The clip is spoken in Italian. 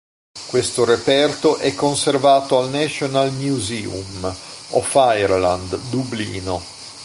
Questo reperto è conservato al National Museum of Ireland, Dublino.